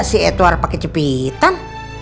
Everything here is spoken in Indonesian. si edward pakai cepetan